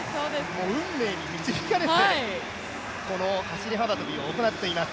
運命に導かれて走幅跳を行っています。